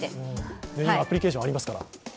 今、アプリケーションありますから。